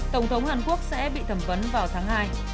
tổng thống hàn quốc sẽ bị thẩm vấn vào tháng hai